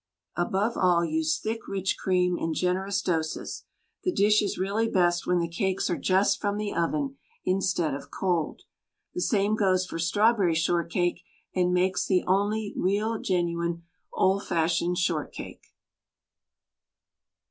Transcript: Above all use thick, rich cream in gen erous doses. The dish is really best when the cakes are just from the oven — instead of cold. The same goes for strawberry shortcake and makes the only real genuine old fashioned shortcake.